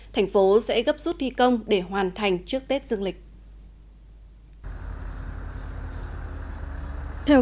thành phố sẽ gấp rút thi công để hoàn thành trước tết dương lịch